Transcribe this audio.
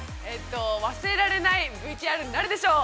◆忘れられないＶＴＲになるでしょう。